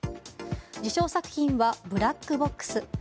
受賞作品は「ブラックボックス」。